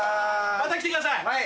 また来てください！